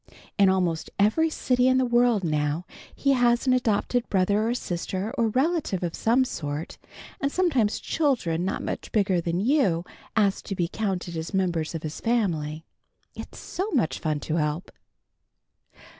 In almost every city in the world now, he has an adopted brother or sister or relative of some sort, and sometimes children not much bigger than you, ask to be counted as members of his family. It's so much fun to help."